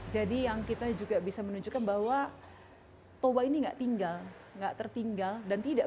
jadi yang kita juga bisa menunjukkan bahwa toba ini enggak tinggal enggak tertinggal dan tidak